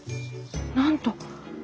なんと。